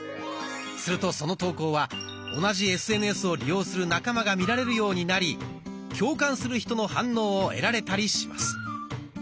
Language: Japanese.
するとその投稿は同じＳＮＳを利用する仲間が見られるようになり共感する人の反応を得られたりします。